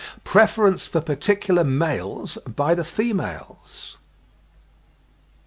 PREFERENCE FOR A PARTICULAR MALES BY THE FEMALES.